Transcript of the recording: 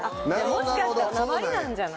もしかしたらなまりなんじゃない？